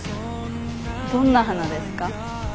どんな花ですか？